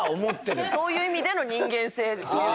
そういう意味での人間性っていう。